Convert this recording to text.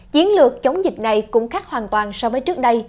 chiến lược chống dịch này cũng khác hoàn toàn so với trước đây